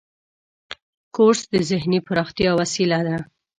کورس د ذهني پراختیا وسیله ده.